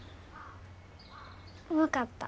分かった。